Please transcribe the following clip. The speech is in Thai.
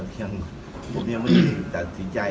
ผมยังไม่หยุ่งตัดสิทธิ์ใจ